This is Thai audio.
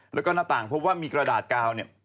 แล้วก็หน้าต่างพบว่ามีกระดาษกาวเนี่ย